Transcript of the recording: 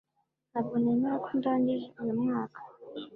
Ntabwo nemera ko ndangije uyu mwaka